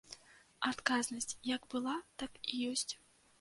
Адказнасць як была, так і ёсць.